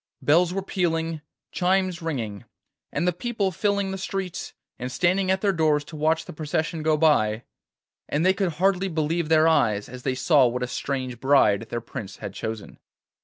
Bells were pealing, chimes ringing, and the people filling the streets and standing at their doors to watch the procession go by, and they could hardly believe their eyes as they saw what a strange bride their Prince had chosen.